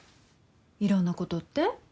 いろんなことって？